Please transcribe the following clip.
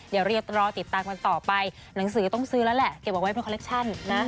เดี๋ยวเรียกรอติดตามกันต่อไปหนังสือต้องซื้อแล้วแหละเก็บเอาไว้เป็นคอลเคชั่นนะ